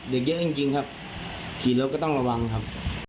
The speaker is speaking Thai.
เด็กเยอะจริงครับขี่รถก็ต้องระวังครับ